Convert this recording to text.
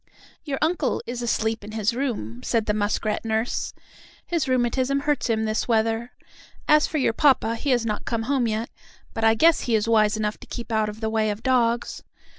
"Your uncle is asleep in his room," said the muskrat nurse. "His rheumatism hurts him this weather. As for your papa, he has not come home yet, but I guess he is wise enough to keep out of the way of dogs.